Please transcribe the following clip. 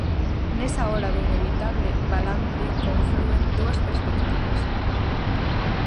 Nesa hora do inevitable balance conflúen dúas perspectivas.